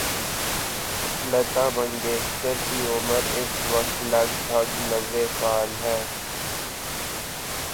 لتا منگیشکر کی عمر اس وقت لگ بھگ نّوے سال ہے۔